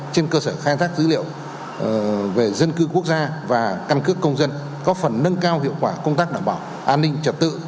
trên cơ sở khai thác dữ liệu về dân cư quốc gia và căn cước công dân có phần nâng cao hiệu quả công tác đảm bảo an ninh trật tự